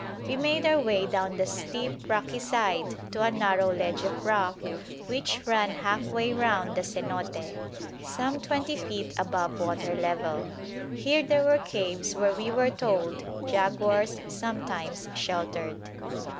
We made our way down the steep rocky side to a narrow ledge of rock which ran half way round the cenote, some twenty feet above water level. Here there were caves where we were told jaguars sometimes sheltered.